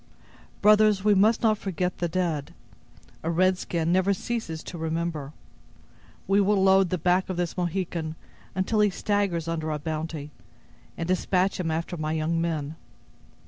Brothers, we must not forget the dead; a red skin never ceases to remember. We will load the back of this Mohican until he staggers under our bounty, and dispatch him after my young men.